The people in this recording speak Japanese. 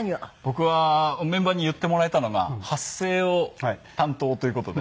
僕はメンバーに言ってもらえたのが発声を担当という事で。